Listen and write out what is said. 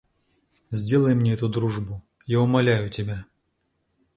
Сделай мне эту дружбу, я умоляю тебя!